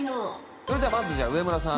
それではまずじゃあ上村さん。